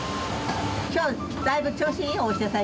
きょうだいぶ調子いい？